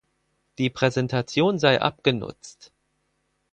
Die Präsentation sei abgenutzt.